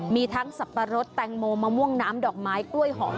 มีทั้งสับปะรดแตงโมมะม่วงน้ำดอกไม้กล้วยหอม